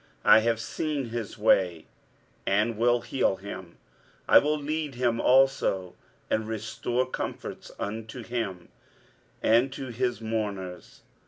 23:057:018 I have seen his ways, and will heal him: I will lead him also, and restore comforts unto him and to his mourners.